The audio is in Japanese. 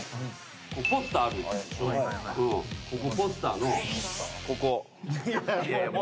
ここポスターのここ。